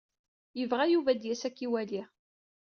Yebɣa Yuba ad d-yas ad k-iwali.